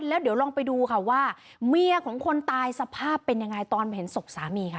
แล้วเดี๋ยวลองไปดูค่ะว่าเมียของคนตายสภาพเป็นยังไงตอนเห็นศพสามีค่ะ